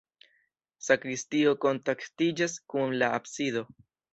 Sakristio kontaktiĝas kun la absido.